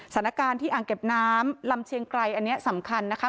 สถานการณ์ที่อ่างเก็บน้ำลำเชียงไกรอันนี้สำคัญนะคะ